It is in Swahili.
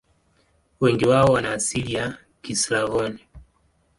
Wengi wao wana asili ya Kislavoni.